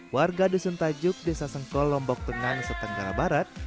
warga dusun tajuk desa sengkol lombok tengah nusa tenggara barat